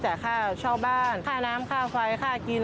แต่ค่าเช่าบ้านค่าน้ำค่าไฟค่ากิน